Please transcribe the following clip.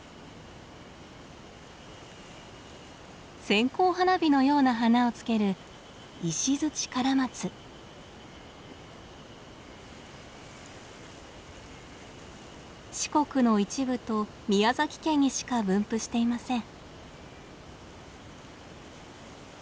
線香花火のような花をつける四国の一部と宮崎県にしか分布していません。